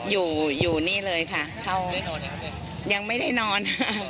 อยู่อยู่นี่เลยค่ะเข้ายังไม่ได้นอน